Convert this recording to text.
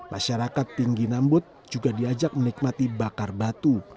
masyarakat tinggi nambut juga diajak menikmati bakar batu